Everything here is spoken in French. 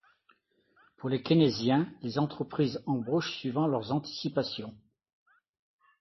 Pour les keynésiens, les entreprises embauchent suivant leurs anticipations.